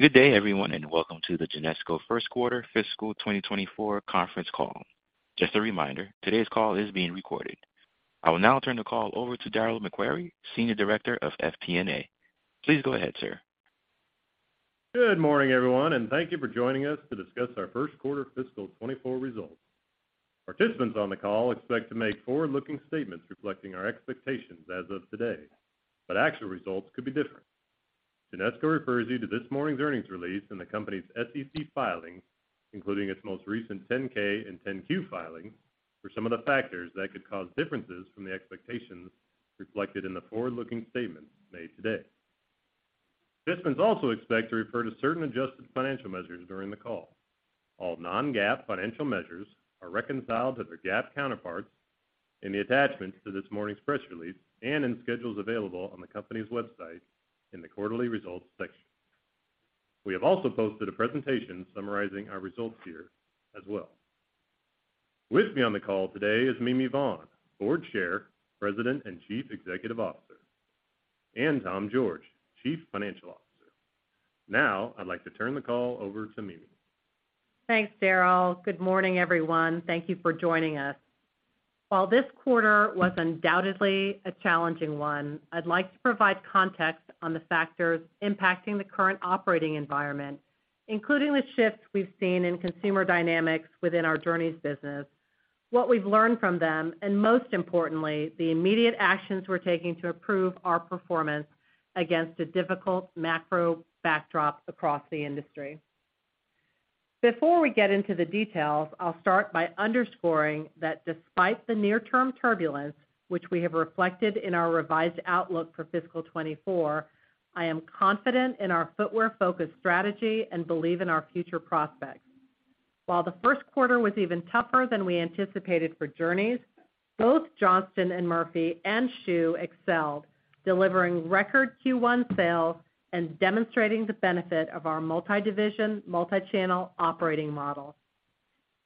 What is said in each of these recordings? Good day, everyone, and welcome to the Genesco First Quarter Fiscal 2024 Conference Call. Just a reminder, today's call is being recorded. I will now turn the call over to Darryl MacQuarrie, Senior Director of FP&A. Please go ahead, sir. Good morning, everyone, and thank you for joining us to discuss our first quarter fiscal 2024 results. Participants on the call expect to make forward-looking statements reflecting our expectations as of today, but actual results could be different. Genesco refers you to this morning's earnings release and the company's SEC filings, including its most recent 10-K and 10-Q filings, for some of the factors that could cause differences from the expectations reflected in the forward-looking statements made today. Participants also expect to refer to certain adjusted financial measures during the call. All non-GAAP financial measures are reconciled to their GAAP counterparts in the attachments to this morning's press release and in schedules available on the company's website in the Quarterly Results section. We have also posted a presentation summarizing our results here as well. With me on the call today is Mimi Vaughn, Board Chair, President, and Chief Executive Officer, and Tom George, Chief Financial Officer. I'd like to turn the call over to Mimi. Thanks, Darryl. Good morning, everyone. Thank you for joining us. While this quarter was undoubtedly a challenging one, I'd like to provide context on the factors impacting the current operating environment, including the shifts we've seen in consumer dynamics within our Journeys business, what we've learned from them, and most importantly, the immediate actions we're taking to improve our performance against a difficult macro backdrop across the industry. Before we get into the details, I'll start by underscoring that despite the near-term turbulence, which we have reflected in our revised outlook for fiscal 2024, I am confident in our footwear-focused strategy and believe in our future prospects. While the first quarter was even tougher than we anticipated for Journeys, both Johnston & Murphy and Schuh excelled, delivering record Q1 sales and demonstrating the benefit of our multi-division, multi-channel operating model.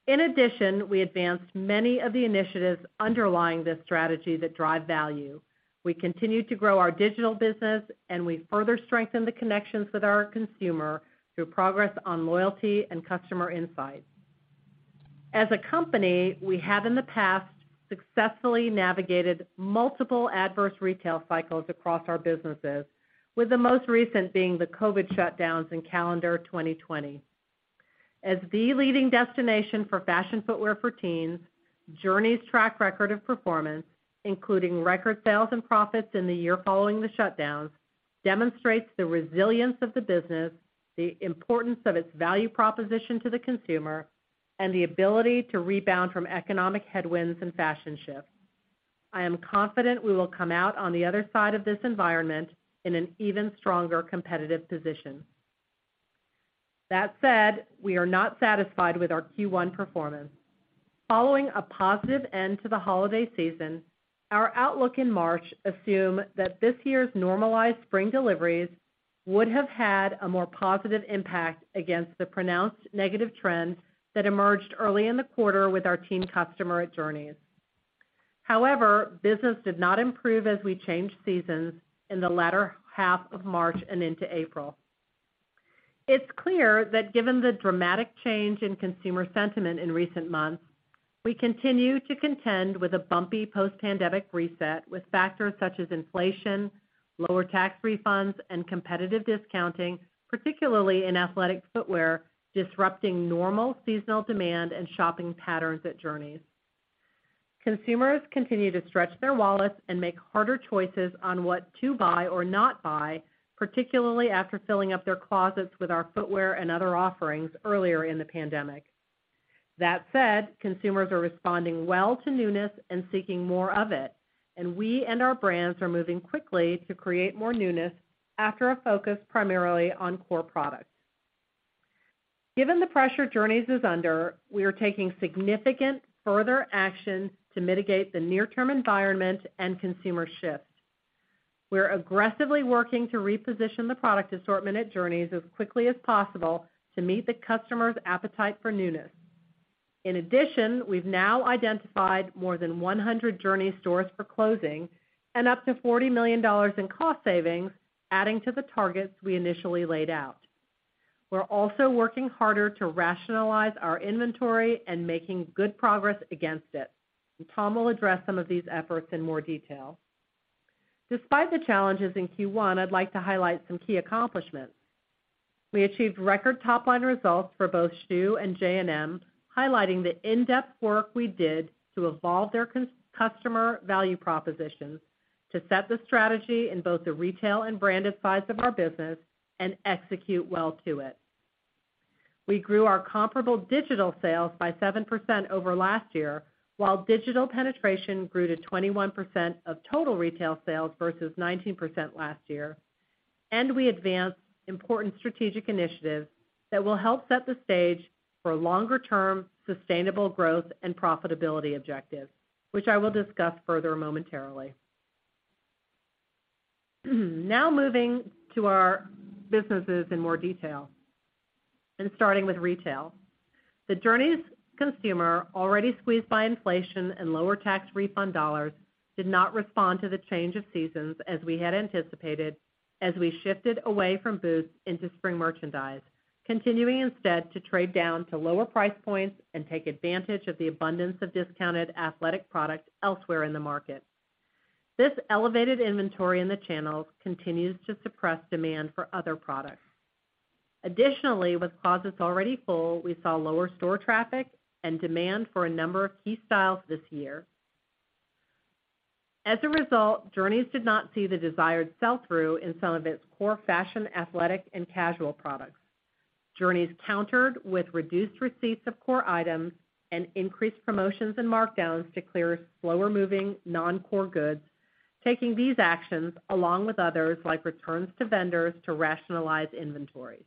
In addition, we advanced many of the initiatives underlying this strategy that drive value. We continued to grow our digital business, and we further strengthened the connections with our consumer through progress on loyalty and customer insight. As a company, we have in the past successfully navigated multiple adverse retail cycles across our businesses, with the most recent being the COVID shutdowns in calendar 2020. As the leading destination for fashion footwear for teens, Journeys' track record of performance, including record sales and profits in the year following the shutdowns, demonstrates the resilience of the business, the importance of its value proposition to the consumer, and the ability to rebound from economic headwinds and fashion shifts. I am confident we will come out on the other side of this environment in an even stronger competitive position. That said, we are not satisfied with our Q1 performance. Following a positive end to the holiday season, our outlook in March assumed that this year's normalized spring deliveries would have had a more positive impact against the pronounced negative trends that emerged early in the quarter with our teen customer at Journeys. Business did not improve as we changed seasons in the latter half of March and into April. It's clear that given the dramatic change in consumer sentiment in recent months, we continue to contend with a bumpy post-pandemic reset, with factors such as inflation, lower tax refunds, and competitive discounting, particularly in athletic footwear, disrupting normal seasonal demand and shopping patterns at Journeys. Consumers continue to stretch their wallets and make harder choices on what to buy or not buy, particularly after filling up their closets with our footwear and other offerings earlier in the pandemic. That said, consumers are responding well to newness and seeking more of it, and we and our brands are moving quickly to create more newness after a focus primarily on core products. Given the pressure Journeys is under, we are taking significant further action to mitigate the near-term environment and consumer shifts. We're aggressively working to reposition the product assortment at Journeys as quickly as possible to meet the customer's appetite for newness. In addition, we've now identified more than 100 Journeys stores for closing and up to $40 million in cost savings, adding to the targets we initially laid out. We're also working harder to rationalize our inventory and making good progress against it. Tom will address some of these efforts in more detail. Despite the challenges in Q1, I'd like to highlight some key accomplishments. We achieved record top-line results for both Schuh and J&M, highlighting the in-depth work we did to evolve their customer value propositions, to set the strategy in both the retail and branded sides of our business and execute well to it. We grew our comparable digital sales by 7% over last year, while digital penetration grew to 21% of total retail sales versus 19% last year. We advanced important strategic initiatives that will help set the stage for longer-term, sustainable growth and profitability objectives, which I will discuss further momentarily. Now moving to our businesses in more detail. Starting with retail. The Journeys consumer, already squeezed by inflation and lower tax refund dollars, did not respond to the change of seasons as we had anticipated as we shifted away from boots into spring merchandise, continuing instead to trade down to lower price points and take advantage of the abundance of discounted athletic products elsewhere in the market. Additionally, this elevated inventory in the channels continues to suppress demand for other products. Additionally, with closets already full, we saw lower store traffic and demand for a number of key styles this year. As a result, Journeys did not see the desired sell-through in some of its core fashion, athletic, and casual products. Journeys countered with reduced receipts of core items and increased promotions and markdowns to clear slower-moving, non-core goods, taking these actions, along with others, like returns to vendors, to rationalize inventory.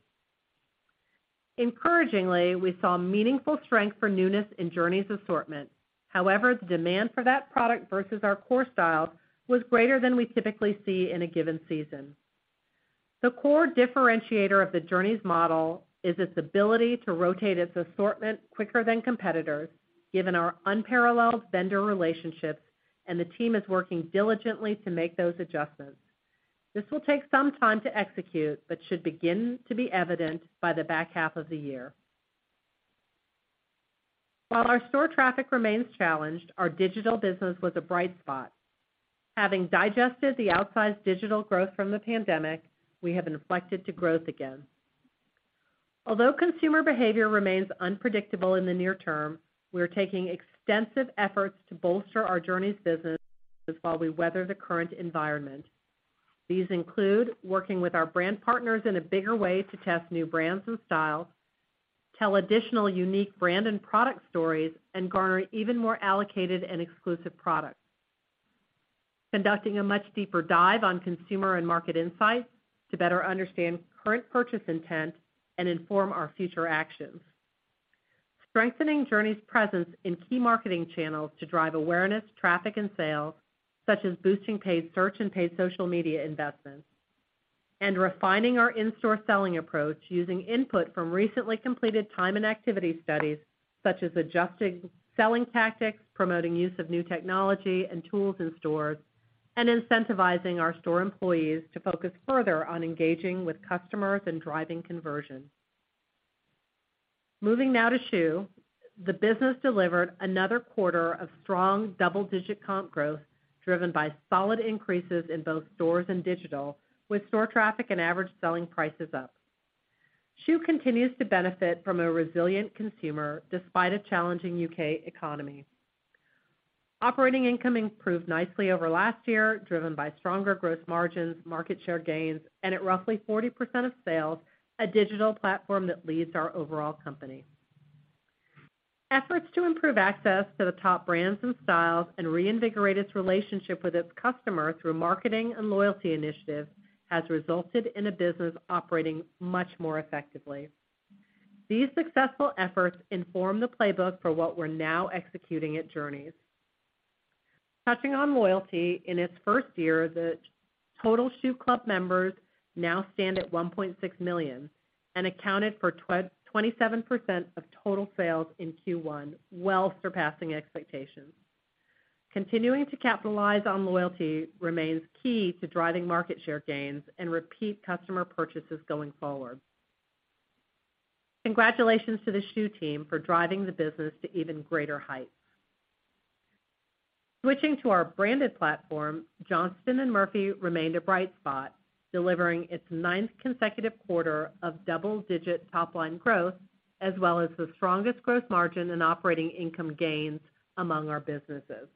Encouragingly, we saw meaningful strength for newness in Journeys assortment. However, the demand for that product versus our core styles was greater than we typically see in a given season. The core differentiator of the Journeys model is its ability to rotate its assortment quicker than competitors, given our unparalleled vendor relationships, and the team is working diligently to make those adjustments. This will take some time to execute, but should begin to be evident by the back half of the year. While our store traffic remains challenged, our digital business was a bright spot. Having digested the outsized digital growth from the pandemic, we have inflected to growth again. Although consumer behavior remains unpredictable in the near term, we are taking extensive efforts to bolster our Journeys business while we weather the current environment. These include working with our brand partners in a bigger way to test new brands and styles, tell additional unique brand and product stories, and garner even more allocated and exclusive products. Conducting a much deeper dive on consumer and market insights to better understand current purchase intent and inform our future actions. Strengthening Journeys presence in key marketing channels to drive awareness, traffic, and sales, such as boosting paid search and paid social media investments, and refining our in-store selling approach using input from recently completed time and activity studies, such as adjusting selling tactics, promoting use of new technology and tools in stores, and incentivizing our store employees to focus further on engaging with customers and driving conversion. Moving now to Schuh. The business delivered another quarter of strong double-digit comp growth, driven by solid increases in both stores and digital, with store traffic and average selling prices up. Schuh continues to benefit from a resilient consumer, despite a challenging U.K. economy. Operating income improved nicely over last year, driven by stronger gross margins, market share gains, and at roughly 40% of sales, a digital platform that leads our overall company. Efforts to improve access to the top brands and styles and reinvigorate its relationship with its customers through marketing and loyalty initiatives has resulted in a business operating much more effectively. These successful efforts inform the playbook for what we're now executing at Journeys. Touching on loyalty, in its first year, the total Schuh Club members now stand at $1.6 million and accounted for 27% of total sales in Q1, well surpassing expectations. Continuing to capitalize on loyalty remains key to driving market share gains and repeat customer purchases going forward. Congratulations to the Schuh team for driving the business to even greater heights. Switching to our branded platform, Johnston & Murphy remained a bright spot, delivering its 9th consecutive quarter of double-digit top-line growth, as well as the strongest gross margin and operating income gains among our businesses.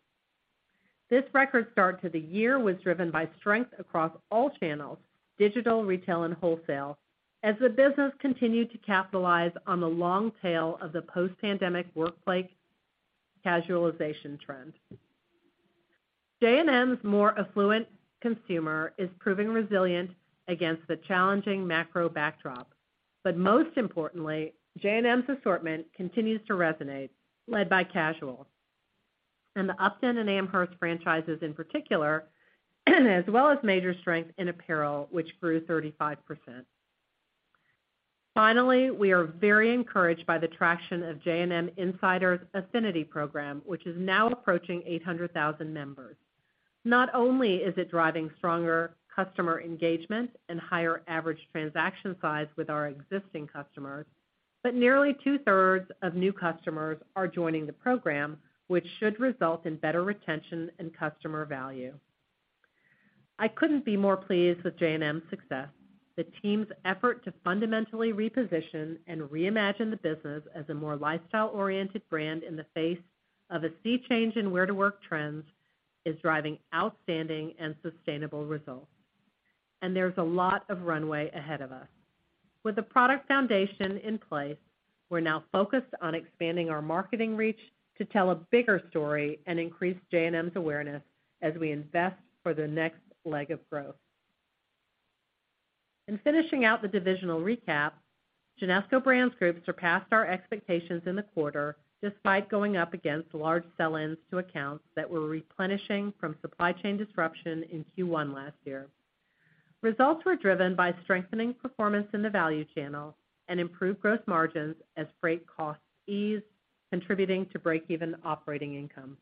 This record start to the year was driven by strength across all channels, digital, retail, and wholesale, as the business continued to capitalize on the long tail of the post-pandemic workplace casualization trend. J&M's more affluent consumer is proving resilient against the challenging macro backdrop. Most importantly, J&M's assortment continues to resonate, led by casual and the Upton and Amherst franchises in particular, as well as major strength in apparel, which grew 35%. We are very encouraged by the traction of J&M Insiders Affinity program, which is now approaching 800,000 members. Not only is it driving stronger customer engagement and higher average transaction size with our existing customers, but nearly two-thirds of new customers are joining the program, which should result in better retention and customer value. I couldn't be more pleased with J&M's success. The team's effort to fundamentally reposition and reimagine the business as a more lifestyle-oriented brand in the face of a sea change in where to work trends, is driving outstanding and sustainable results. There's a lot of runway ahead of us. With a product foundation in place, we're now focused on expanding our marketing reach to tell a bigger story and increase J&M's awareness as we invest for the next leg of growth. In finishing out the divisional recap, Genesco Brands Group surpassed our expectations in the quarter, despite going up against large sell-ins to accounts that were replenishing from supply chain disruption in Q1 last year. Results were driven by strengthening performance in the value channel and improved gross margins as freight costs eased, contributing to break-even operating income.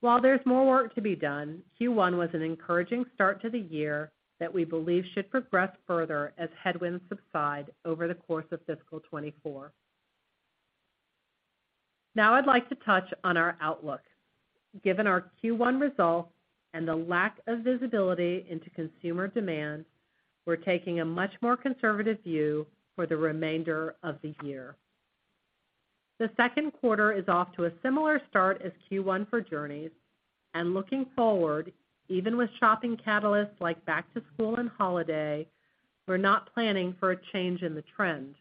While there's more work to be done, Q1 was an encouraging start to the year that we believe should progress further as headwinds subside over the course of fiscal 2024. I'd like to touch on our outlook. Given our Q1 results and the lack of visibility into consumer demand, we're taking a much more conservative view for the remainder of the year. The second quarter is off to a similar start as Q1 for Journeys, and looking forward, even with shopping catalysts like back to school and holiday, we're not planning for a change in the trend.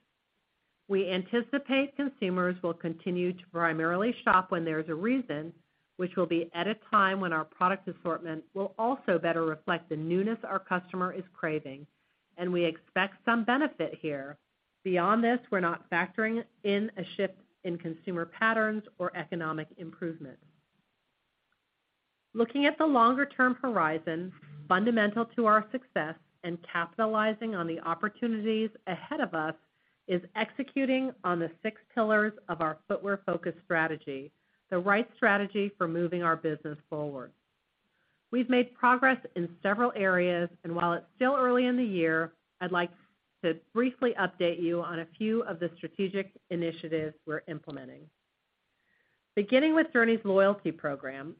We anticipate consumers will continue to primarily shop when there's a reason, which will be at a time when our product assortment will also better reflect the newness our customer is craving, and we expect some benefit here. Beyond this, we're not factoring in a shift in consumer patterns or economic improvement. Looking at the longer-term horizon, fundamental to our success and capitalizing on the opportunities ahead of us, is executing on the six pillars of our footwear-focused strategy, the right strategy for moving our business forward. We've made progress in several areas, and while it's still early in the year, I'd like to briefly update you on a few of the strategic initiatives we're implementing. Beginning with Journeys' loyalty program,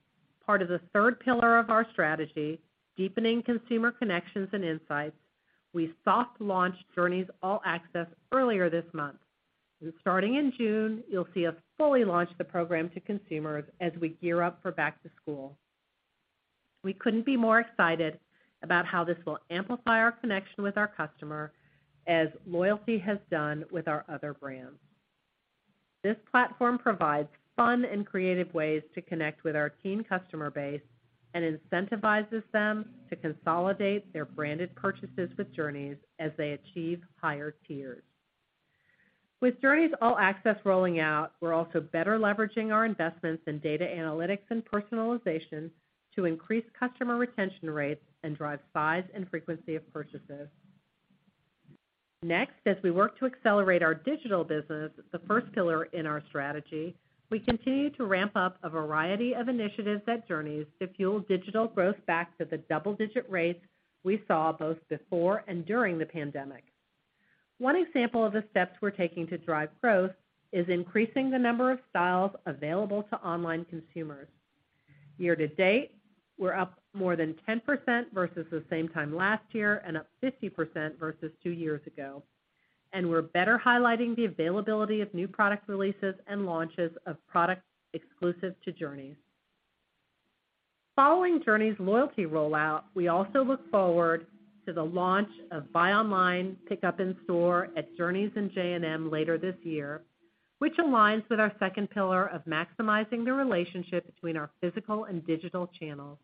part of the third pillar of our strategy, deepening consumer connections and insights, we soft launched Journeys All Access earlier this month. Starting in June, you'll see us fully launch the program to consumers as we gear up for back to school. We couldn't be more excited about how this will amplify our connection with our customer, as loyalty has done with our other brands. This platform provides fun and creative ways to connect with our teen customer base and incentivizes them to consolidate their branded purchases with Journeys as they achieve higher tiers. With Journeys All Access rolling out, we're also better leveraging our investments in data analytics and personalization to increase customer retention rates and drive size and frequency of purchases. As we work to accelerate our digital business, the first pillar in our strategy, we continue to ramp up a variety of initiatives at Journeys to fuel digital growth back to the double-digit rates we saw both before and during the pandemic. One example of the steps we're taking to drive growth is increasing the number of styles available to online consumers. Year to date, we're up more than 10% versus the same time last year and up 50% versus two years ago, and we're better highlighting the availability of new product releases and launches of products exclusive to Journeys. Following Journeys' loyalty rollout, we also look forward to the launch of buy online, pickup in store at Journeys and J&M later this year, which aligns with our second pillar of maximizing the relationship between our physical and digital channels.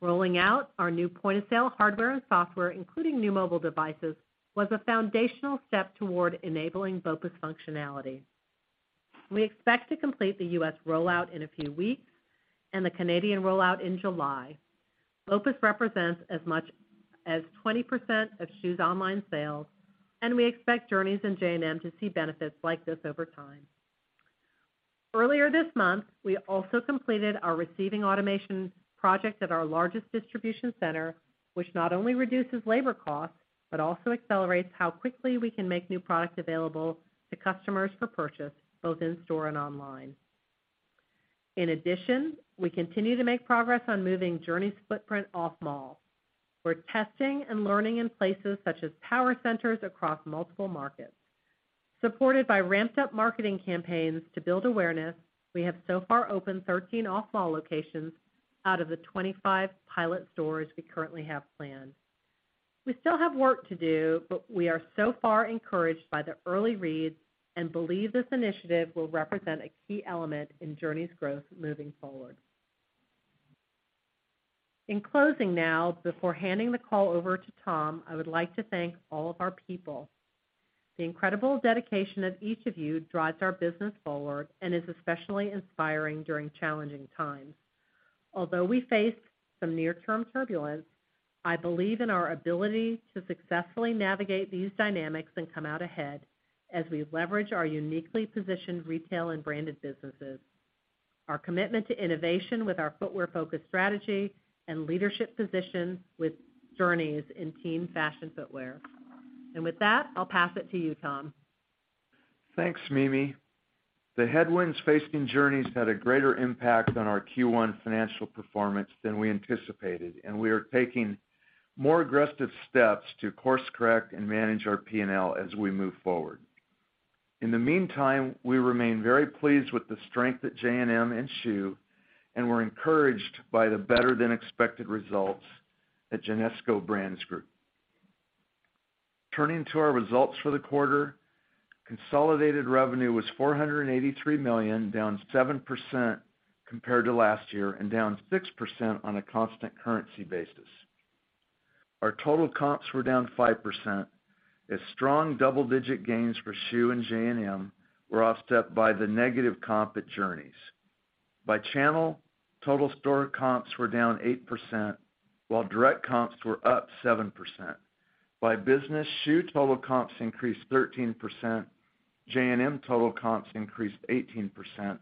Rolling out our new point-of-sale hardware and software, including new mobile devices, was a foundational step toward enabling BOPUS functionality. We expect to complete the US rollout in a few weeks and the Canadian rollout in July. BOPUS represents as much as 20% of Schuh's online sales, and we expect Journeys and J&M to see benefits like this over time. Earlier this month, we also completed our receiving automation project at our largest distribution center, which not only reduces labor costs, but also accelerates how quickly we can make new products available to customers for purchase, both in store and online. In addition, we continue to make progress on moving Journeys' footprint off-mall. We're testing and learning in places such as power centers across multiple markets. Supported by ramped-up marketing campaigns to build awareness, we have so far opened 13 off-mall locations out of the 25 pilot stores we currently have planned. We still have work to do. We are so far encouraged by the early reads and believe this initiative will represent a key element in Journeys' growth moving forward. In closing now, before handing the call over to Tom, I would like to thank all of our people. The incredible dedication of each of you drives our business forward and is especially inspiring during challenging times. Although we face some near-term turbulence, I believe in our ability to successfully navigate these dynamics and come out ahead as we leverage our uniquely positioned retail and branded businesses, our commitment to innovation with our footwear-focused strategy and leadership position with Journeys in teen fashion footwear. With that, I'll pass it to you, Tom. Thanks, Mimi. The headwinds facing Journeys had a greater impact on our Q1 financial performance than we anticipated. We are taking more aggressive steps to course correct and manage our P&L as we move forward. In the meantime, we remain very pleased with the strength at J&M and Schuh. We're encouraged by the better-than-expected results at Genesco Brands Group. Turning to our results for the quarter, consolidated revenue was $483 million, down 7% compared to last year and down 6% on a constant currency basis. Our total comps were down 5%, as strong double-digit gains for Schuh and J&M were offset by the negative comp at Journeys. By channel, total store comps were down 8%, while direct comps were up 7%. By business, Schuh total comps increased 13%, J&M total comps increased 18%,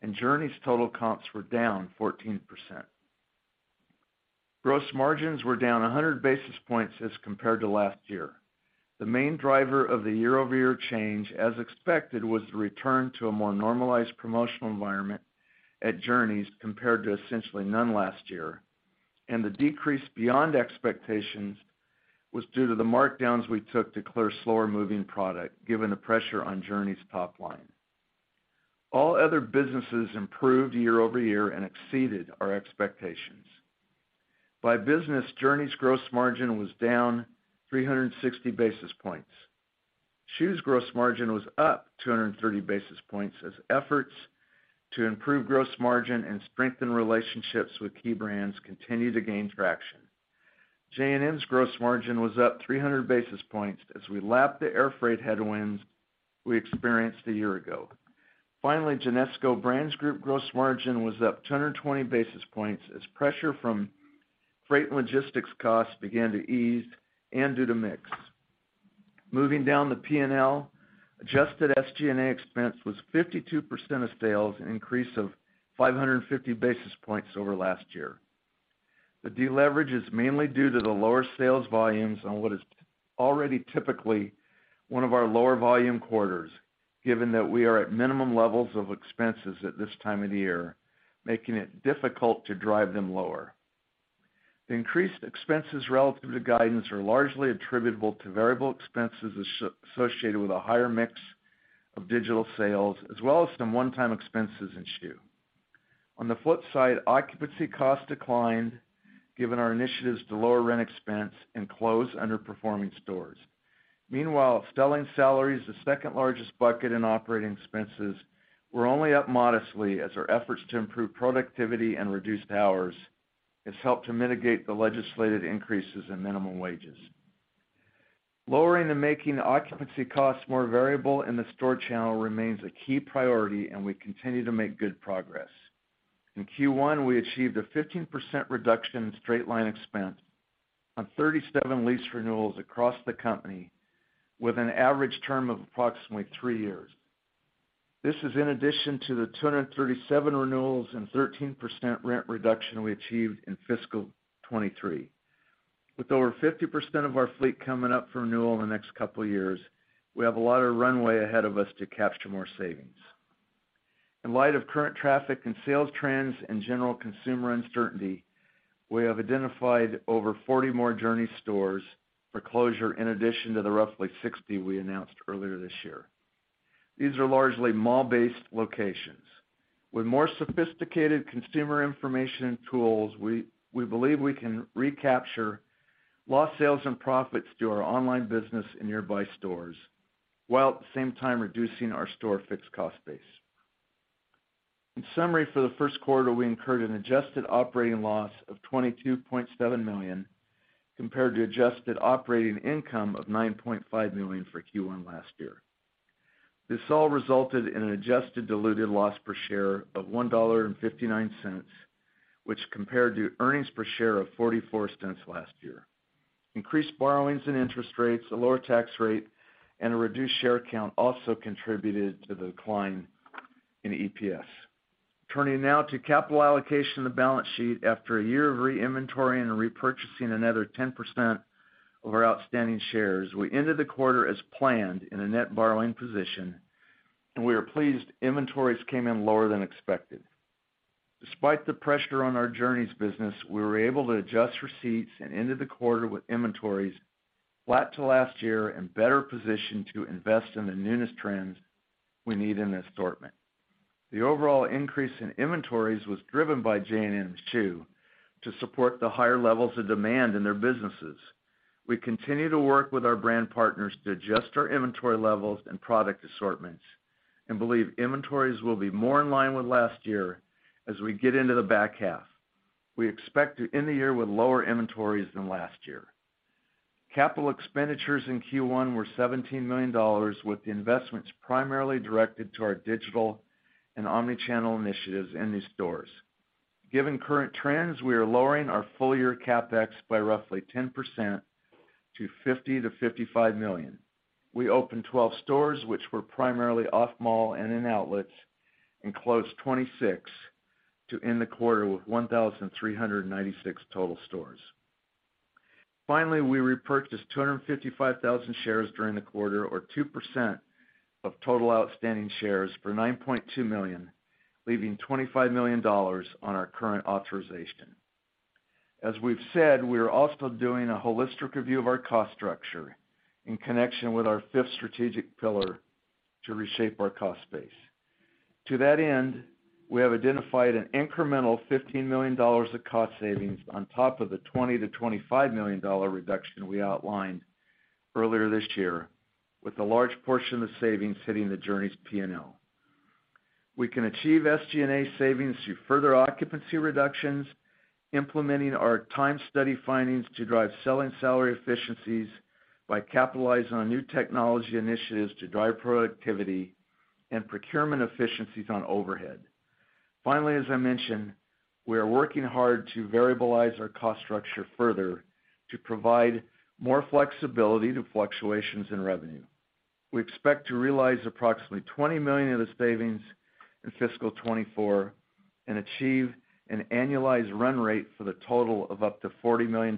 and Journeys total comps were down 14%. Gross margins were down 100 basis points as compared to last year. The main driver of the year-over-year change, as expected, was the return to a more normalized promotional environment at Journeys, compared to essentially none last year. The decrease beyond expectations was due to the markdowns we took to clear slower-moving product, given the pressure on Journeys' top line. All other businesses improved year over year and exceeded our expectations. By business, Journeys' gross margin was down 360 basis points. Schuh's gross margin was up 230 basis points, as efforts to improve gross margin and strengthen relationships with key brands continued to gain traction. J&M's gross margin was up 300 basis points as we lapped the air freight headwinds we experienced a year ago. Finally, Genesco Brands Group gross margin was up 220 basis points as pressure from freight logistics costs began to ease and due to mix. Moving down the P&L, adjusted SG&A expense was 52% of sales, an increase of 550 basis points over last year. The deleverage is mainly due to the lower sales volumes on what is already typically one of our lower volume quarters, given that we are at minimum levels of expenses at this time of the year, making it difficult to drive them lower. The increased expenses relative to guidance are largely attributable to variable expenses associated with a higher mix of digital sales, as well as some one-time expenses in Schuh. On the flip side, occupancy costs declined, given our initiatives to lower rent expense and close underperforming stores. Meanwhile, selling salaries, the second-largest bucket in operating expenses, were only up modestly as our efforts to improve productivity and reduce hours has helped to mitigate the legislated increases in minimum wages. Lowering and making occupancy costs more variable in the store channel remains a key priority, and we continue to make good progress. In Q1, we achieved a 15% reduction in straight-line expense on 37 lease renewals across the company, with an average term of approximately 3 years. This is in addition to the 237 renewals and 13% rent reduction we achieved in fiscal 2023. With over 50% of our fleet coming up for renewal in the next couple of years, we have a lot of runway ahead of us to capture more savings. In light of current traffic and sales trends and general consumer uncertainty, we have identified over 40 more Journeys stores for closure, in addition to the roughly 60 we announced earlier this year. These are largely mall-based locations. With more sophisticated consumer information and tools, we believe we can recapture lost sales and profits through our online business in nearby stores, while at the same time reducing our store fixed cost base. In summary, for the first quarter, we incurred an adjusted operating loss of $22.7 million, compared to adjusted operating income of $9.5 million for Q1 last year. This all resulted in an adjusted diluted loss per share of $1.59, which compared to earnings per share of $0.44 last year. Increased borrowings and interest rates, a lower tax rate, and a reduced share count also contributed to the decline in EPS. Turning now to capital allocation and the balance sheet. After a year of re-inventoring and repurchasing another 10% of our outstanding shares, we ended the quarter as planned in a net borrowing position, and we are pleased inventories came in lower than expected. Despite the pressure on our Journeys business, we were able to adjust receipts and ended the quarter with inventories flat to last year and better positioned to invest in the newness trends we need in the assortment. The overall increase in inventories was driven by J&M and Schuh to support the higher levels of demand in their businesses. We continue to work with our brand partners to adjust our inventory levels and product assortments and believe inventories will be more in line with last year as we get into the back half. We expect to end the year with lower inventories than last year. Capital expenditures in Q1 were $17 million, with the investments primarily directed to our digital and omnichannel initiatives in these stores. Given current trends, we are lowering our full-year CapEx by roughly 10% to $50 million-$55 million. We opened 12 stores, which were primarily off-mall and in outlets, and closed 26, to end the quarter with 1,396 total stores. We repurchased 255,000 shares during the quarter, or 2% of total outstanding shares, for $9.2 million, leaving $25 million on our current authorization. As we've said, we are also doing a holistic review of our cost structure in connection with our fifth strategic pillar to reshape our cost base. To that end, we have identified an incremental $15 million of cost savings on top of the $20 million-$25 million reduction we outlined earlier this year, with a large portion of the savings hitting the Journeys' P&L. We can achieve SG&A savings through further occupancy reductions. Implementing our time study findings to drive selling salary efficiencies by capitalizing on new technology initiatives to drive productivity and procurement efficiencies on overhead. As I mentioned, we are working hard to variabilize our cost structure further to provide more flexibility to fluctuations in revenue. We expect to realize approximately $20 million of the savings in fiscal 2024 and achieve an annualized run rate for the total of up to $40 million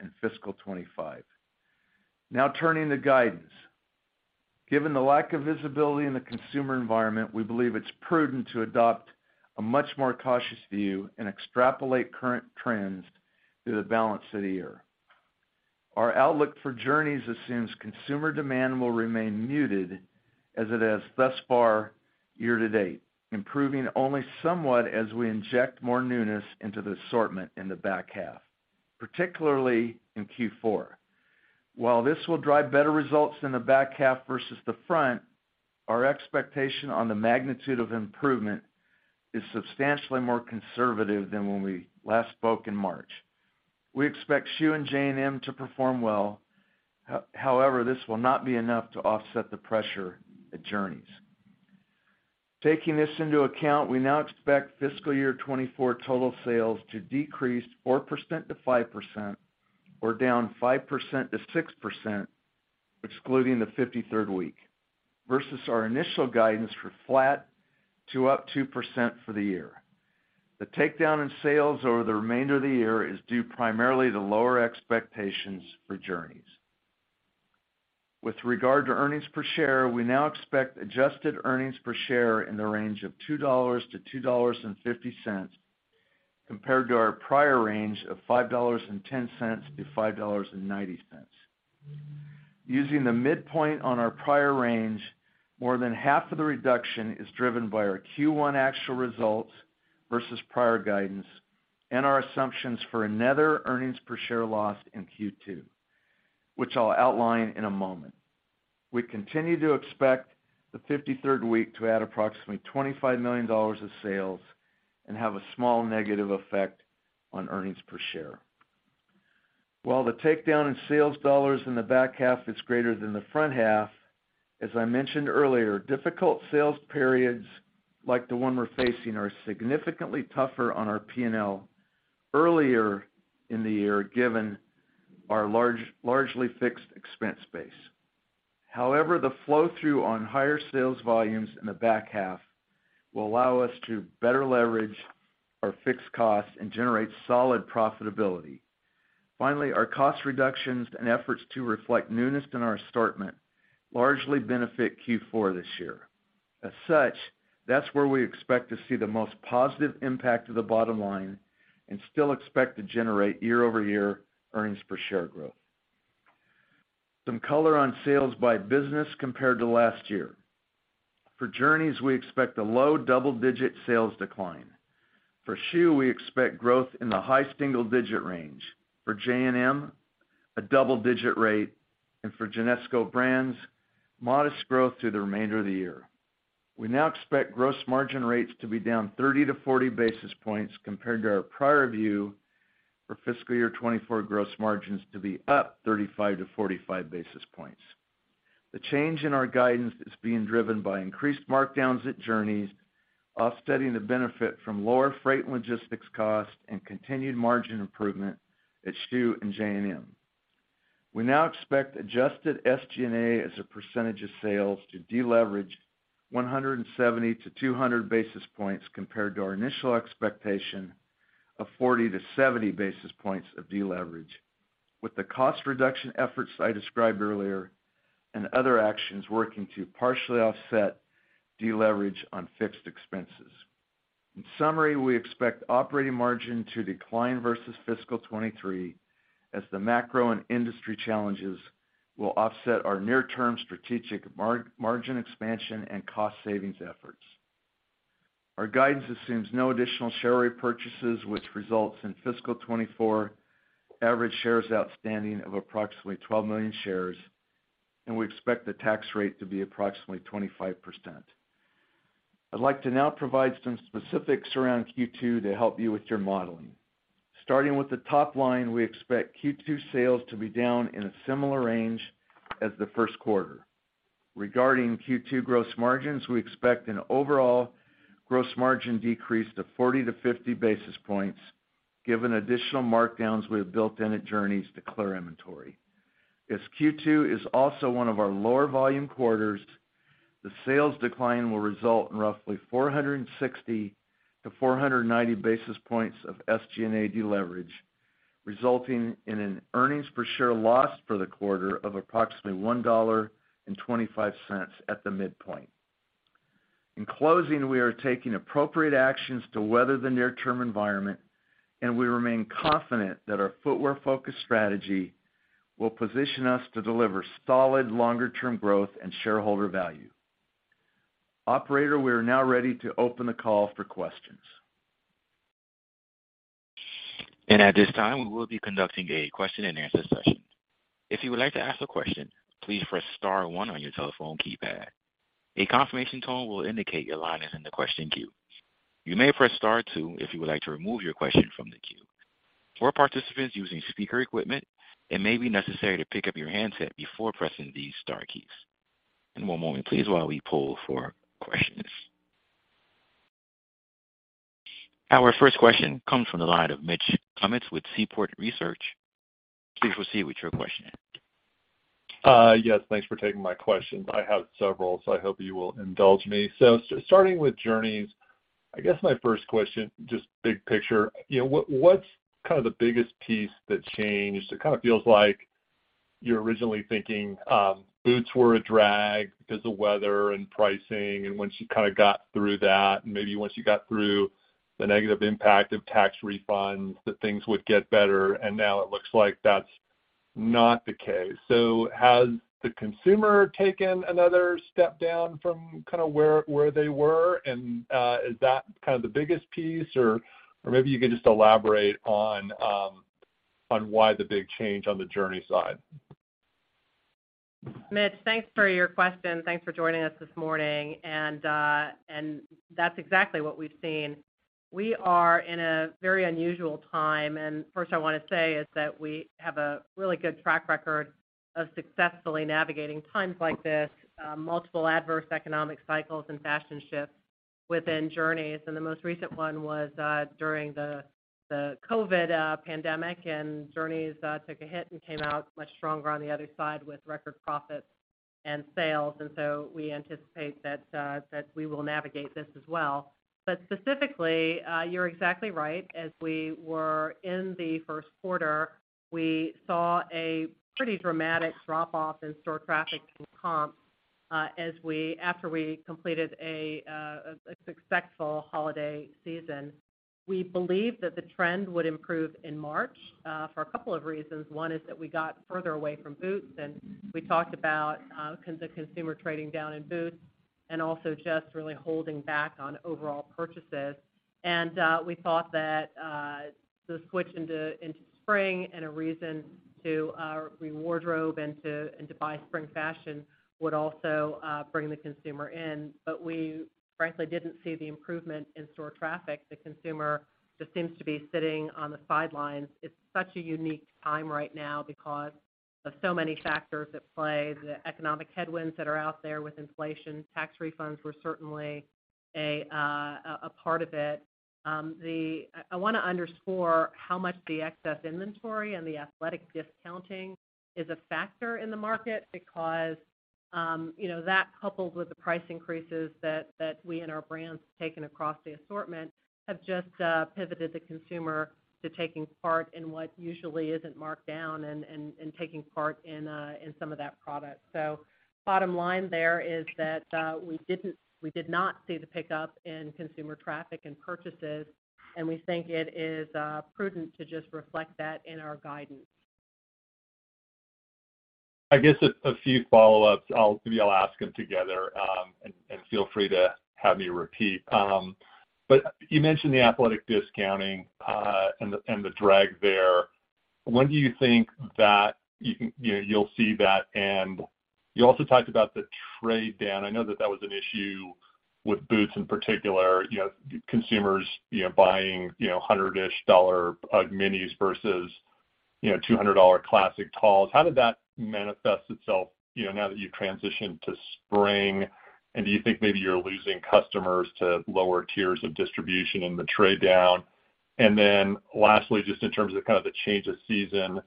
in fiscal 2025. Turning to guidance. Given the lack of visibility in the consumer environment, we believe it's prudent to adopt a much more cautious view and extrapolate current trends through the balance of the year. Our outlook for Journeys assumes consumer demand will remain muted, as it has thus far year-to-date, improving only somewhat as we inject more newness into the assortment in the back half, particularly in Q4. While this will drive better results in the back half versus the front, our expectation on the magnitude of improvement is substantially more conservative than when we last spoke in March. We expect Schuh and J&M to perform well. However, this will not be enough to offset the pressure at Journeys. Taking this into account, we now expect fiscal year 2024 total sales to decrease 4%-5% or down 5%-6%, excluding the 53rd week, versus our initial guidance for flat to up 2% for the year. The takedown in sales over the remainder of the year is due primarily to lower expectations for Journeys. With regard to earnings per share, we now expect adjusted earnings per share in the range of $2.00-$2.50, compared to our prior range of $5.10-$5.90. Using the midpoint on our prior range, more than half of the reduction is driven by our Q1 actual results versus prior guidance and our assumptions for another earnings per share loss in Q2, which I'll outline in a moment. We continue to expect the 53rd week to add approximately $25 million of sales and have a small negative effect on earnings per share. While the takedown in sales dollars in the back half is greater than the front half, as I mentioned earlier, difficult sales periods like the one we're facing, are significantly tougher on our P&L earlier in the year, given our largely fixed expense base. However, the flow-through on higher sales volumes in the back half will allow us to better leverage our fixed costs and generate solid profitability. Our cost reductions and efforts to reflect newness in our assortment largely benefit Q4 this year. That's where we expect to see the most positive impact to the bottom line and still expect to generate year-over-year earnings per share growth. Some color on sales by business compared to last year. For Journeys, we expect a low double-digit sales decline. For Schuh, we expect growth in the high single-digit range. For J&M, a double-digit rate, and for Genesco Brands, modest growth through the remainder of the year. We now expect gross margin rates to be down 30-40 basis points compared to our prior view for fiscal year 2024 gross margins to be up 35-45 basis points. The change in our guidance is being driven by increased markdowns at Journeys, offsetting the benefit from lower freight and logistics costs and continued margin improvement at Schuh and J&M. We now expect adjusted SG&A as a percentage of sales to deleverage 170-200 basis points compared to our initial expectation of 40-70 basis points of deleverage, with the cost reduction efforts I described earlier and other actions working to partially offset deleverage on fixed expenses. In summary, we expect operating margin to decline versus fiscal 2023 as the macro and industry challenges will offset our near-term strategic margin expansion and cost savings efforts. Our guidance assumes no additional share repurchases, which results in fiscal 2024 average shares outstanding of approximately 12 million shares, and we expect the tax rate to be approximately 25%. I'd like to now provide some specifics around Q2 to help you with your modeling. Starting with the top line, we expect Q2 sales to be down in a similar range as the first quarter. Regarding Q2 gross margins, we expect an overall gross margin decrease of 40-50 basis points, given additional markdowns we have built in at Journeys to clear inventory. As Q2 is also one of our lower volume quarters, the sales decline will result in roughly 460-490 basis points of SG&A deleverage, resulting in an earnings per share loss for the quarter of approximately $1.25 at the midpoint. In closing, we are taking appropriate actions to weather the near-term environment, and we remain confident that our footwear-focused strategy will position us to deliver solid, longer-term growth and shareholder value. Operator, we are now ready to open the call for questions. At this time, we will be conducting a question-and-answer session. If you would like to ask a question, please press star one on your telephone keypad. A confirmation tone will indicate your line is in the question queue. You may press star two if you would like to remove your question from the queue. For participants using speaker equipment, it may be necessary to pick up your handset before pressing these star keys. One more moment, please, while we poll for questions. Our first question comes from the line of Mitch Kummetz with Seaport Research. Please proceed with your question. Yes, thanks for taking my question. I have several, so I hope you will indulge me. Starting with Journeys, I guess my first question, just big picture, you know, what's kind of the biggest piece that changed? It kind of feels like you're originally thinking, boots were a drag because of weather and pricing, and once you kinda got through that, maybe once you got through the negative impact of tax refunds, that things would get better, and now it looks like that's not the case. Has the consumer taken another step down from kinda where they were? Is that kind of the biggest piece? Or maybe you could just elaborate on why the big change on the Journeys side. Mitch, thanks for your question. Thanks for joining us this morning, and that's exactly what we've seen. We are in a very unusual time. First I wanna say is that we have a really good track record of successfully navigating times like this, multiple adverse economic cycles and fashion shifts within Journeys. The most recent one was during the COVID pandemic, and Journeys took a hit and came out much stronger on the other side with record profits and sales. We anticipate that we will navigate this as well. Specifically, you're exactly right. As we were in the first quarter, we saw a pretty dramatic drop-off in store traffic and comp after we completed a successful holiday season. We believed that the trend would improve in March for a couple of reasons. One is that we got further away from boots, and we talked about the consumer trading down in boots and also just really holding back on overall purchases. We thought that the switch into spring and a reason to re-wardrobe and to buy spring fashion would also bring the consumer in. We frankly didn't see the improvement in store traffic. The consumer just seems to be sitting on the sidelines. It's such a unique time right now because of so many factors at play, the economic headwinds that are out there with inflation. Tax refunds were certainly a part of it. I wanna underscore how much the excess inventory and the athletic discounting is a factor in the market because, you know, that coupled with the price increases that we and our brands have taken across the assortment, have just pivoted the consumer to taking part in what usually isn't marked down and taking part in some of that product. Bottom line there is that we did not see the pickup in consumer traffic and purchases, and we think it is prudent to just reflect that in our guidance. I guess a few follow-ups. Maybe I'll ask them together, and feel free to have me repeat. You mentioned the athletic discounting and the drag there. When do you think that you'll see that? You also talked about the trade down. I know that that was an issue with boots in particular, consumers buying $100-ish minis versus $200 classic talls. How did that manifest itself now that you've transitioned to spring? Do you think maybe you're losing customers to lower tiers of distribution in the trade down? Lastly, just in terms of kind of the change of season,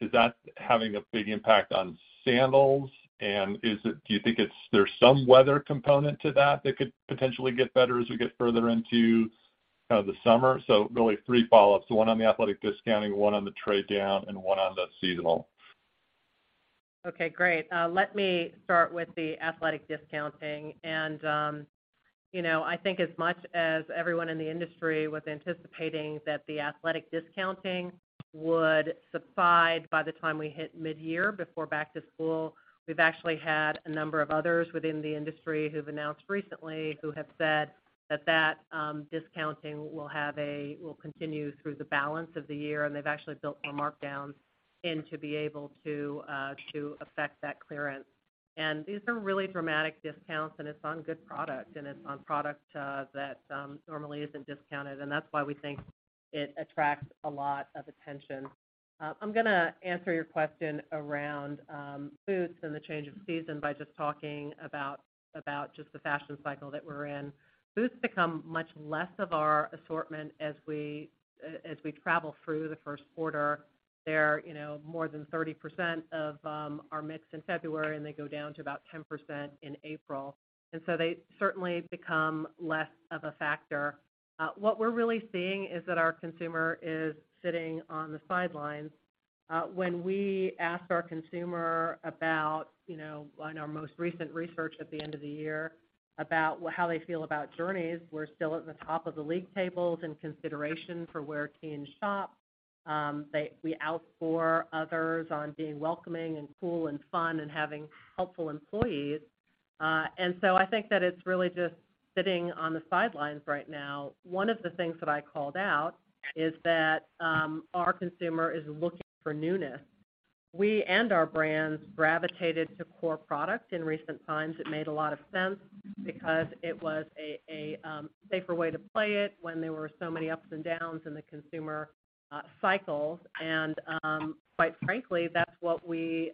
is that having a big impact on sandals? Is it do you think it's there's some weather component to that could potentially get better as we get further into kind of the summer? Really, three follow-ups, one on the athletic discounting, one on the trade down, and one on the seasonal. Let me start with the athletic discounting. You know, I think as much as everyone in the industry was anticipating that the athletic discounting would subside by the time we hit mid-year, before back to school, we've actually had a number of others within the industry who've announced recently who have said that that discounting will continue through the balance of the year, and they've actually built more markdowns in to be able to affect that clearance. These are really dramatic discounts, and it's on good product, and it's on product that normally isn't discounted, and that's why we think it attracts a lot of attention. I'm gonna answer your question around boots and the change of season by just talking about just the fashion cycle that we're in. Boots become much less of our assortment as we travel through the first quarter. They're, you know, more than 30% of our mix in February, and they go down to about 10% in April. They certainly become less of a factor. What we're really seeing is that our consumer is sitting on the sidelines. When we ask our consumer about, you know, on our most recent research at the end of the year, how they feel about Journeys, we're still at the top of the league tables in consideration for where teens shop. We outscore others on being welcoming and cool and fun and having helpful employees. I think that it's really just sitting on the sidelines right now. One of the things that I called out is that our consumer is looking for newness. We and our brands gravitated to core products in recent times. It made a lot of sense because it was a safer way to play it when there were so many ups and downs in the consumer cycles. Quite frankly, that's what we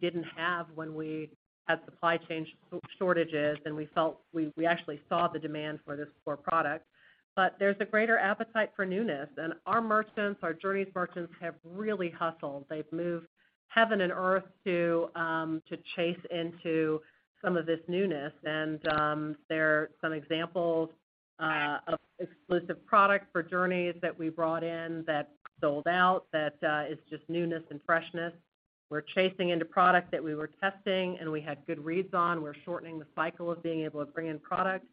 didn't have when we had supply chain shortages, and we actually saw the demand for this core product. There's a greater appetite for newness, and our merchants, our Journeys merchants, have really hustled. They've moved heaven and earth to chase into some of this newness. There are some examples of exclusive product for Journeys that we brought in that sold out, that is just newness and freshness. We're chasing into product that we were testing, and we had good reads on. We're shortening the cycle of being able to bring in products.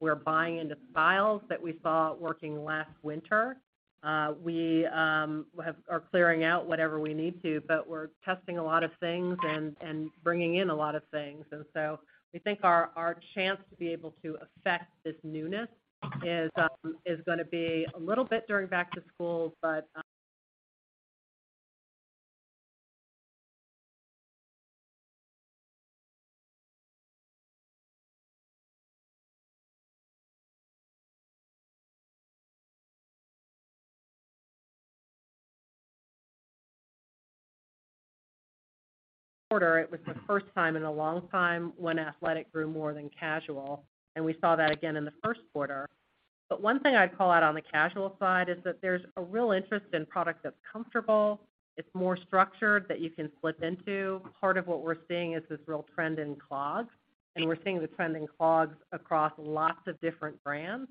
We're buying into styles that we saw working last winter. We are clearing out whatever we need to, but we're testing a lot of things and bringing in a lot of things. We think our chance to be able to affect this newness is gonna be a little bit during back to school. Quarter, it was the first time in a long time when athletic grew more than casual, and we saw that again in the first quarter. One thing I'd call out on the casual side is that there's a real interest in product that's comfortable. It's more structured that you can slip into. Part of what we're seeing is this real trend in clogs, and we're seeing the trend in clogs across lots of different brands.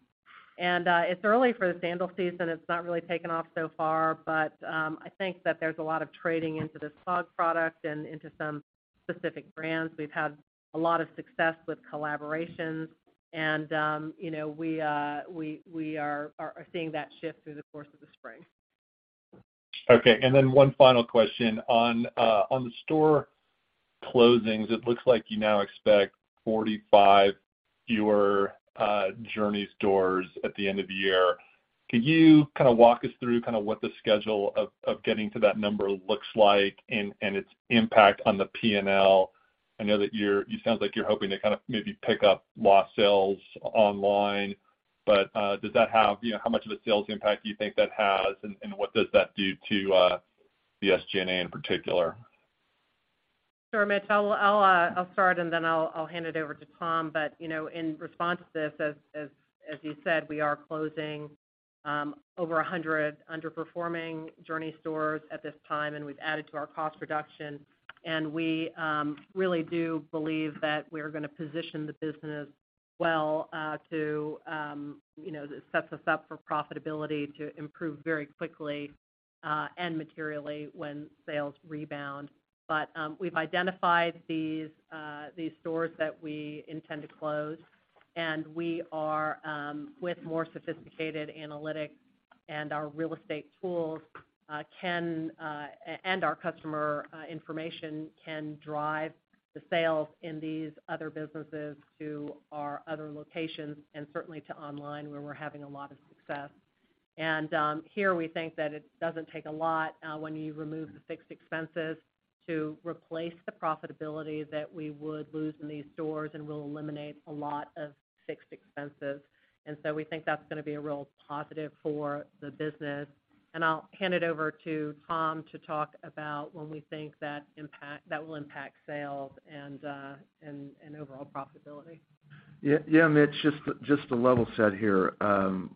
It's early for the sandal season. It's not really taken off so far, but I think that there's a lot of trading into this clog product and into some specific brands. We've had a lot of success with collaborations, and you know, we are seeing that shift through the course of the spring. Okay, one final question. On the store closings, it looks like you now expect 45 fewer Journeys stores at the end of the year. Can you kind of walk us through kind of what the schedule of getting to that number looks like and its impact on the P&L? I know that you sound like you're hoping to kind of maybe pick up lost sales online, but does that have? You know, how much of a sales impact do you think that has, and what does that do to the SG&A in particular? Sure, Mitch. I'll start, and then I'll hand it over to Tom. You know, in response to this, as you said, we are closing over 100 underperforming Journeys stores at this time, and we've added to our cost reduction. We really do believe that we're gonna position the business well, to, you know, set us up for profitability to improve very quickly, and materially when sales rebound. We've identified these stores that we intend to close, and we are with more sophisticated analytics and our real estate tools, can and our customer information can drive the sales in these other businesses to our other locations and certainly to online, where we're having a lot of success. Here, we think that it doesn't take a lot when you remove the fixed expenses to replace the profitability that we would lose in these stores, and we'll eliminate a lot of fixed expenses. We think that's going to be a real positive for the business. I'll hand it over to Tom to talk about when we think that will impact sales and overall profitability. Yeah, yeah, Mitch, just to level set here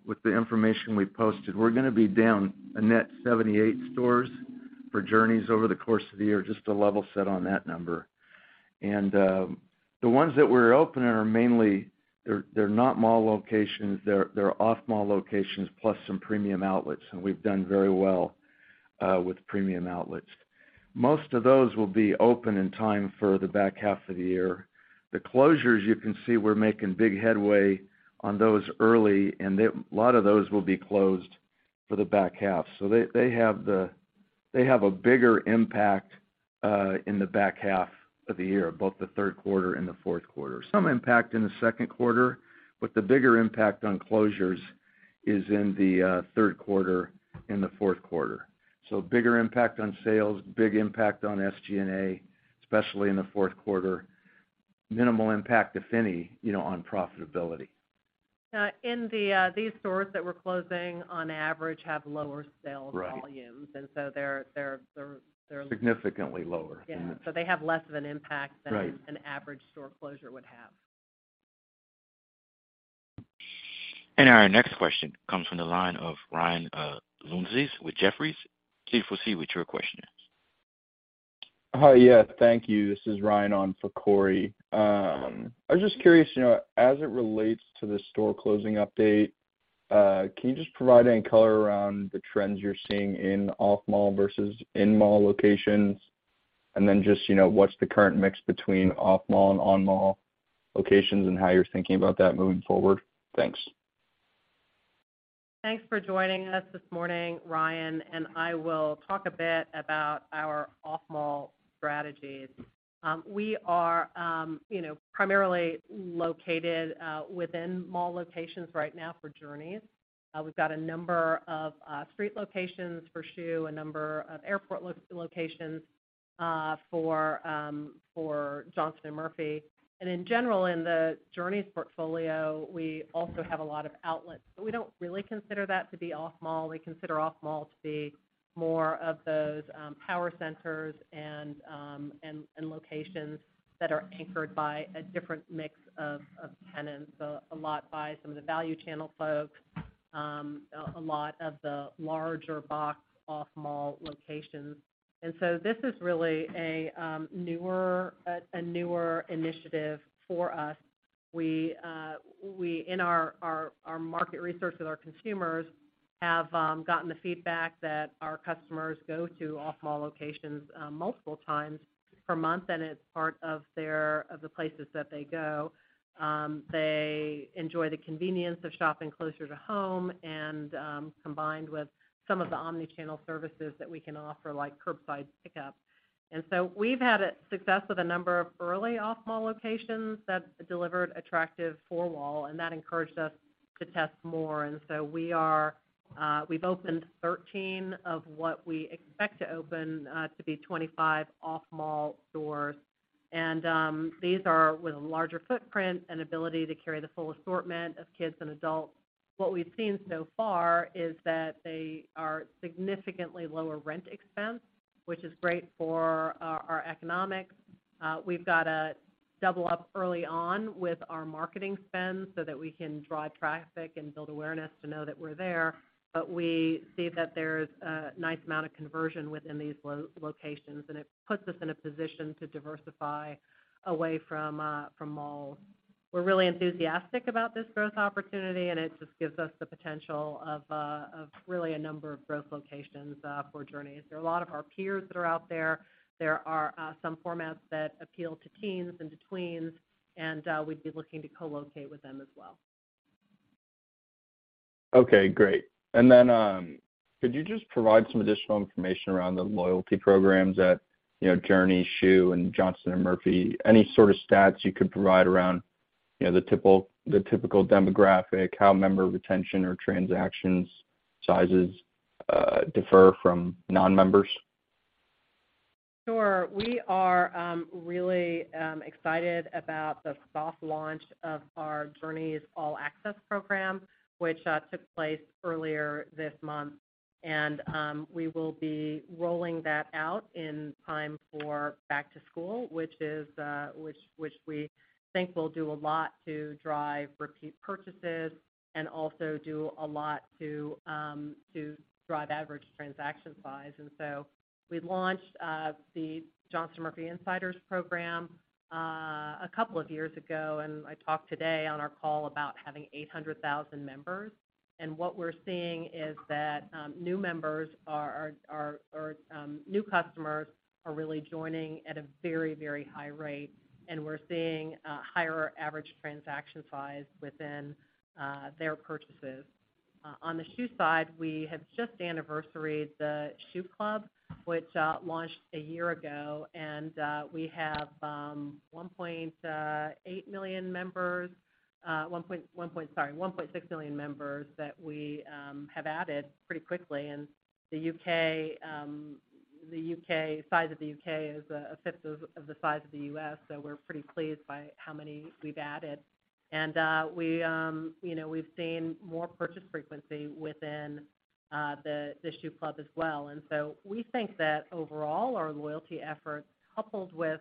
with the information we posted. We're gonna be down a net 78 stores for Journeys over the course of the year, just to level set on that number. The ones that we're opening are mainly, they're not mall locations, they're off-mall locations, plus some premium outlets, and we've done very well with premium outlets. Most of those will be open in time for the back half of the year. The closures, you can see, we're making big headway on those early, and then a lot of those will be closed for the back half. They have a bigger impact in the back half of the year, both the third quarter and the fourth quarter. Some impact in the second quarter, but the bigger impact on closures is in the third quarter and the fourth quarter. Bigger impact on sales, big impact on SG&A, especially in the fourth quarter. Minimal impact, if any, you know, on profitability. The these stores that we're closing on average have lower sales. Right Volumes, and so they're. Significantly lower. Yeah. they have less of an impact than. Right An average store closure would have. Our next question comes from the line of Ryan Lountzis with Jefferies. Please proceed with your question. Hi. Yeah, thank you. This is Ryan on for Corey. I was just curious, you know, as it relates to the store closing update, can you just provide any color around the trends you're seeing in off-mall versus in-mall locations? Just, you know, what's the current mix between off-mall and on-mall locations and how you're thinking about that moving forward? Thanks. Thanks for joining us this morning, Ryan, and I will talk a bit about our off-mall strategies. We are, you know, primarily located within mall locations right now for Journeys. We've got a number of street locations for Schuh, a number of airport locations for Johnston & Murphy. In general, in the Journeys portfolio, we also have a lot of outlets, but we don't really consider that to be off-mall. We consider off-mall to be more of those power centers and locations that are anchored by a different mix of tenants, a lot by some of the value channel folks, a lot of the larger box off-mall locations. So this is really a newer initiative for us. We, in our market research with our consumers, have gotten the feedback that our customers go to off-mall locations multiple times per month, and it's part of their places that they go. They enjoy the convenience of shopping closer to home, and combined with some of the omni-channel services that we can offer, like curbside pickup. We've had a success with a number of early off-mall locations that delivered attractive four-wall, and that encouraged us to test more. We've opened 13 of what we expect to open to be 25 off-mall stores. These are with a larger footprint and ability to carry the full assortment of kids and adults. What we've seen so far is that they are significantly lower rent expense, which is great for our economics. We've got to double up early on with our marketing spend so that we can drive traffic and build awareness to know that we're there. We see that there's a nice amount of conversion within these locations, and it puts us in a position to diversify away from malls. We're really enthusiastic about this growth opportunity, and it just gives us the potential of really a number of growth locations for Journeys. There are a lot of our peers that are out there. There are some formats that appeal to teens and to tweens, and we'd be looking to co-locate with them as well. Okay, great. Then, could you just provide some additional information around the loyalty programs at, you know, Journeys, Schuh, and Johnston & Murphy? Any sort of stats you could provide around, you know, the typical demographic, how member retention or transactions sizes differ from non-members? Sure. We are really excited about the soft launch of our Journeys All Access program, which took place earlier this month. We will be rolling that out in time for back to school, which we think will do a lot to drive repeat purchases and also do a lot to drive average transaction size. We launched the Johnston & Murphy Insiders program a couple of years ago, and I talked today on our call about having 800,000 members. What we're seeing is that new members are new customers are really joining at a very, very high rate, and we're seeing a higher average transaction size within their purchases. On the Schuh side, we have just anniversaried the Schuh Club, which launched a year ago. We have 1.8 million members, sorry, 1.6 million members that we have added pretty quickly. The U.K. size of the U.K. is a fifth of the size of the U.S., so we're pretty pleased by how many we've added. We, you know, we've seen more purchase frequency within the Schuh Club as well. We think that overall, our loyalty efforts, coupled with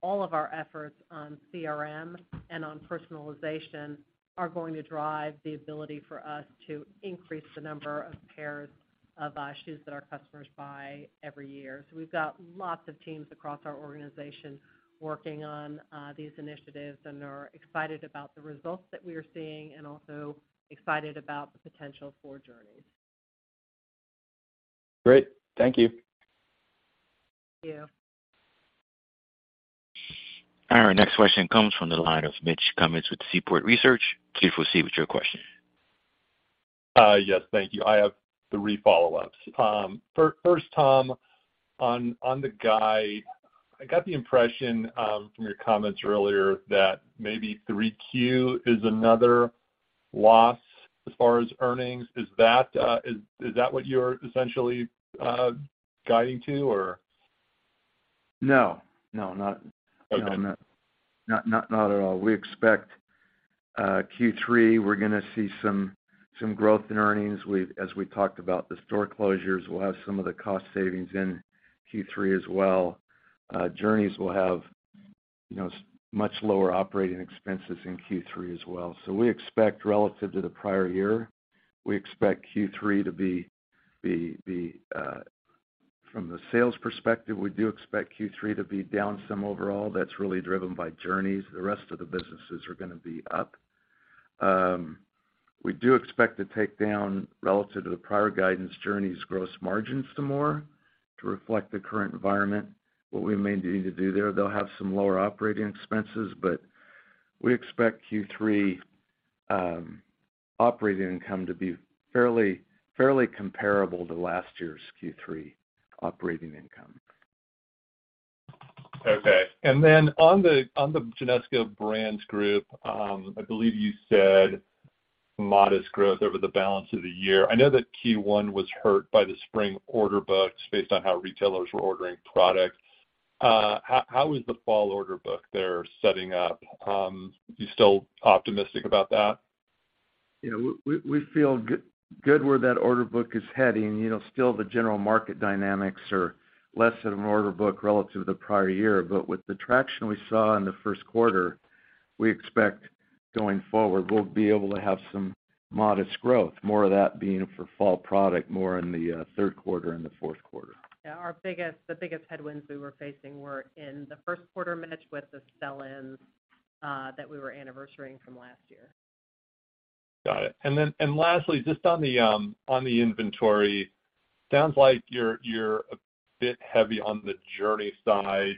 all of our efforts on CRM and on personalization, are going to drive the ability for us to increase the number of pairs of shoes that our customers buy every year. We've got lots of teams across our organization working on, these initiatives and are excited about the results that we are seeing and also excited about the potential for Journeys. Great. Thank you. Thank you. Our next question comes from the line of Mitch Kummetz with Seaport Research. Please proceed with your question. Yes, thank you. I have three follow-ups. First, Tom, on the guide, I got the impression, from your comments earlier that maybe 3Q is another loss as far as earnings. Is that, is that what you're essentially, guiding to, or? No. No. Okay. Not at all. We expect Q3, we're gonna see some growth in earnings. As we talked about, the store closures will have some of the cost savings in Q3 as well. Journeys will have, you know, much lower operating expenses in Q3 as well. We expect, relative to the prior year, we expect Q3 to be from the sales perspective, we do expect Q3 to be down some overall. That's really driven by Journeys. The rest of the businesses are gonna be up. We do expect to take down relative to the prior guidance, Journeys' gross margins some more to reflect the current environment. What we may need to do there, they'll have some lower operating expenses, but we expect Q3 operating income to be fairly comparable to last year's Q3 operating income. Okay. On the Genesco Brands Group, I believe you said modest growth over the balance of the year. I know that Q1 was hurt by the spring order books based on how retailers were ordering products. How is the fall order book there setting up? You still optimistic about that? Yeah, we feel good where that order book is heading. You know, still the general market dynamics are less than an order book relative to the prior year, but with the traction we saw in the first quarter, we expect going forward, we'll be able to have some modest growth, more of that being for fall product, more in the third quarter and the fourth quarter. Yeah, the biggest headwinds we were facing were in the first quarter, Mitch, with the sell-ins, that we were anniversarying from last year. Got it. Lastly, just on the inventory, sounds like you're a bit heavy on the Journeys side.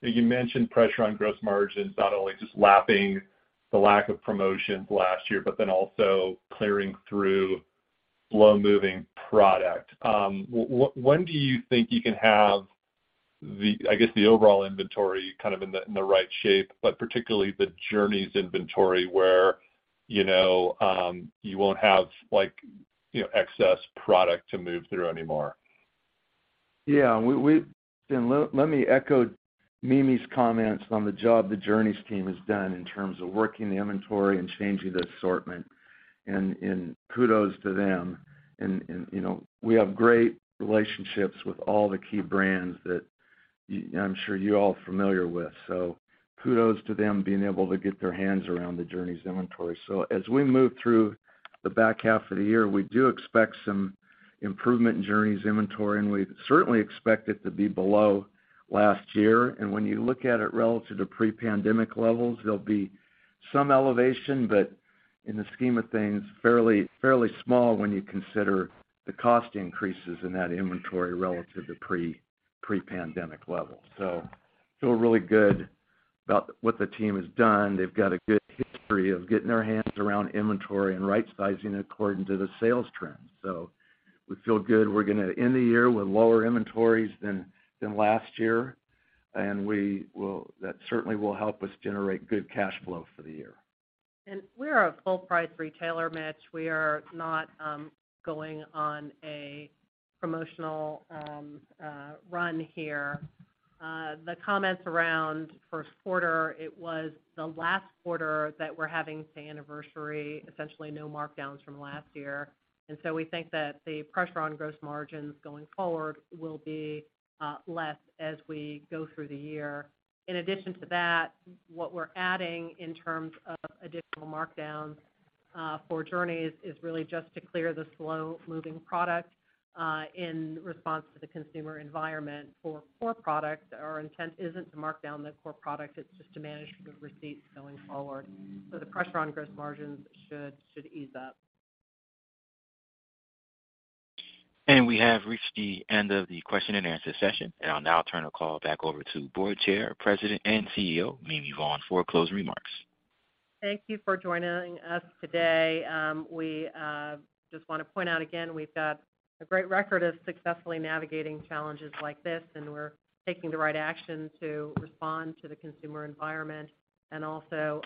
You mentioned pressure on gross margins, not only just lapping the lack of promotions last year, but then also clearing through slow-moving product. When do you think you can have the overall inventory kind of in the right shape, but particularly the Journeys inventory where, you know, you won't have, like, you know, excess product to move through anymore? Yeah, we let me echo Mimi's comments on the job the Journeys team has done in terms of working the inventory and changing the assortment, and kudos to them. You know, we have great relationships with all the key brands that I'm sure you all are familiar with, so kudos to them being able to get their hands around the Journeys inventory. As we move through the back half of the year, we do expect some improvement in Journeys inventory, and we certainly expect it to be below last year. When you look at it relative to pre-pandemic levels, there'll be some elevation, but in the scheme of things, fairly small when you consider the cost increases in that inventory relative to pre-pandemic levels. Feel really good about what the team has done. They've got a good history of getting their hands around inventory and right-sizing according to the sales trends. We feel good. We're gonna end the year with lower inventories than last year. That certainly will help us generate good cash flow for the year. We're a full-price retailer, Mitch. We are not going on a promotional run here. The comments around first quarter, it was the last quarter that we're having to anniversary, essentially no markdowns from last year. We think that the pressure on gross margins going forward will be less as we go through the year. In addition to that, what we're adding in terms of additional markdowns for Journeys is really just to clear the slow-moving product in response to the consumer environment. For core products, our intent isn't to mark down the core product. It's just to manage the receipts going forward. The pressure on gross margins should ease up. We have reached the end of the question and answer session, and I'll now turn the call back over to Board Chair, President, and CEO, Mimi Vaughn, for closing remarks. Thank you for joining us today. We just want to point out again, we've got a great record of successfully navigating challenges like this, and we're taking the right action to respond to the consumer environment and also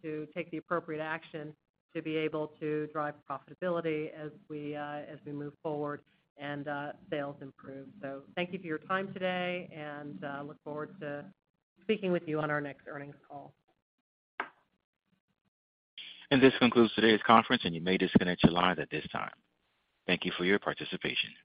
to take the appropriate action to be able to drive profitability as we move forward and sales improve. Thank you for your time today, and look forward to speaking with you on our next earnings call. This concludes today's conference, and you may disconnect your line at this time. Thank you for your participation.